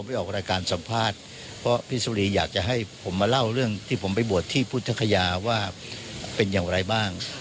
ไปออกรายการสัมภาษณ์เพราะพี่สุรีอยากจะให้ผมมาเล่าเรื่องที่ผมไปบวชที่พุทธคยาว่าเป็นอย่างไรบ้าง